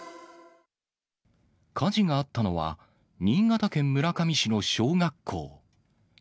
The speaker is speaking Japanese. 火事があったのは、新潟県村上市の小学校。